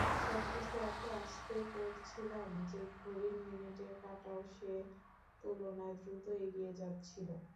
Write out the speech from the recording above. সবকিছু এত আস্তে করছিলাম যে, ঘড়ির মিনিটের কাটাও সে তুলনায় দ্রুত এগিয়ে যাচ্ছিল।